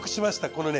このね